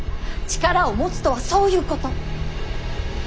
力を持つとはそういうこと。